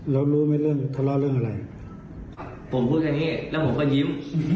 แล้วรู้ไหมเรื่องทะเลาะเรื่องอะไรผมพูดอย่างนี้แล้วผมก็ยิ้ม